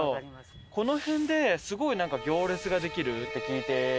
この辺ですごいなんか行列ができるって聞いて。